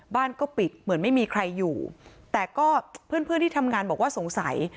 บ้านก็ปิดเหมือนไม่มีใครอยู่แต่ก็เพื่อนเพื่อนที่ทำงานบอกว่าสงสัย